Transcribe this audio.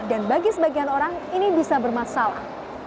dan bagi sebagian orang ini bisa bermasalah